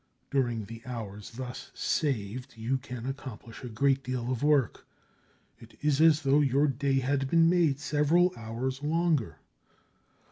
During the hours thus saved you can accomplish a great deal of work. It is as though your day had been made several hours longer.